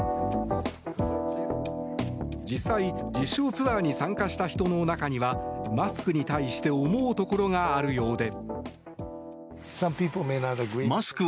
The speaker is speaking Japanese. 実際、実証ツアーに参加した人の中にはマスクに対して思うところがあるようで。